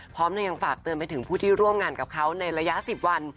เธอยังฝากเตือนไปถึงผู้ที่ร่วมงานกับเขาในระยะ๑๐วัน